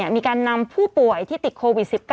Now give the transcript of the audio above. มีการนำผู้ป่วยที่ติดโควิด๑๙